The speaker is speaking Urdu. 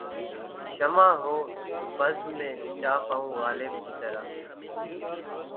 شمع ہوں‘ تو بزم میں جا پاؤں غالب کی طرح